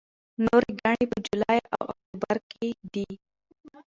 نورې ګڼې په جولای او اکتوبر کې دي.